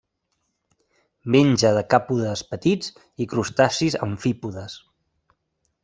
Menja decàpodes petits i crustacis amfípodes.